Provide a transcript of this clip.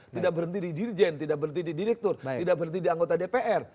tidak berhenti di dirjen tidak berhenti di direktur tidak berhenti di anggota dpr